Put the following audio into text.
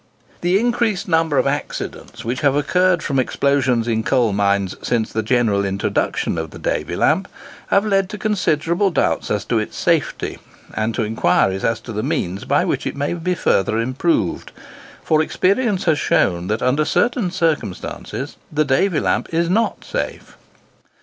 The increased number of accidents which have occurred from explosions in coal mines since the general introduction of the Davy lamp, have led to considerable doubts as to its safety, and to inquiries as to the means by which it may be further improved; for experience has shown that, under certain circumstances, the Davy lamp is not safe.